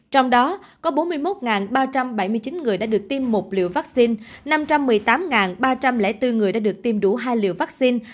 trong đó có bốn mươi một ba trăm bảy mươi chín người đã được tiêm một liều vắc xin năm trăm một mươi tám ba trăm linh bốn người đã được tiêm đủ hai liều vắc xin